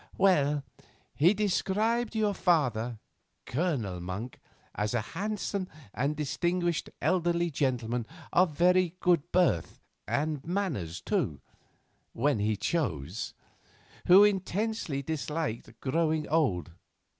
"Well, he described your father, Colonel Monk, as a handsome and distinguished elderly gentleman of very good birth, and manners, too, when he chose, who intensely disliked growing old.